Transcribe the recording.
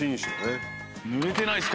「濡れてないですか？」